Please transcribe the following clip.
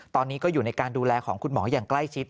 ตอนนี้ก็อยู่ในการดูแลของคุณหมออย่างใกล้ชิด